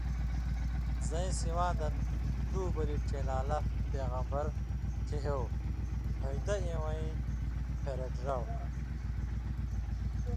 زَیں سِواں دن دُو بلی ڇېلیان٘لہ (پېغمبر) ڇِہېوۡ بھژدہ اِوَیں پھېرٹیۡراؤ؛